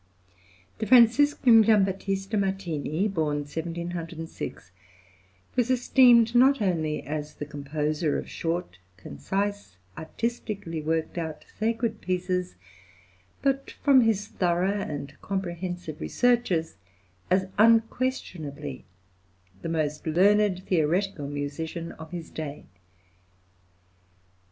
The Franciscan Giambattista Martini {THE ITALIAN TOUR.} (114) (born 1760) was esteemed not only as the composer of short, concise, artistically worked out sacred pieces, but, from his thorough and comprehensive researches, as unquestionably the most learned theoretical musician of his day.